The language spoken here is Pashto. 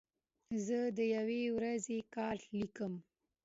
زه د یوې ورځې کار لیکم.